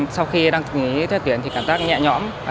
sau khi đăng ký xét tuyển thì cảm giác nhẹ nhõm